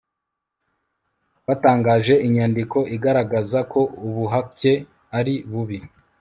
batangaje inyandiko igaragaza ko ubuhake ari bubi